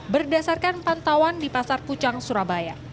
berdasarkan pantauan di pasar pucang surabaya